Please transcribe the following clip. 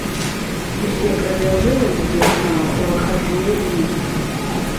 Усе крадзяжы ён здзяйсняў у выхадныя дні.